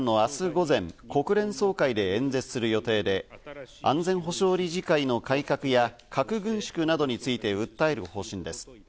午前、国連総会で演説する予定で、安全保障理事会の改革や、核軍縮などについて訴える方針です。